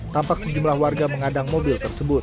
tampak sejumlah warga mengadang mobil tersebut